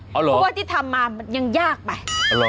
เพราะว่าที่ทำมามันยังยากไป